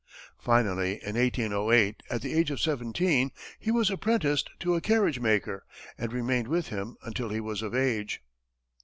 Finally, in 1808, at the age of seventeen, he was apprenticed to a carriage maker, and remained with him until he was of age.